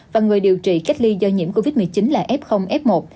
và người điều trị cách ly do nhiễm covid một mươi chín là f f một